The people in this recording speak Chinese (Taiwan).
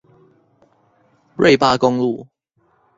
瑞八公路